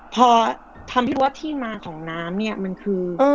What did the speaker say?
พอทำที่ว่าที่มาของน้ำเนี่ยมันคือ